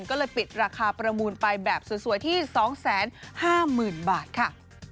ก็เลยปิดราคาประมูลไปแบบสวยที่๒๕๐๐๐บาทค่ะ